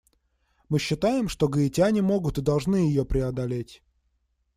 Мы считаем, что гаитяне могут и должны ее преодолеть.